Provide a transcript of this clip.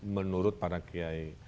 menurut para kiai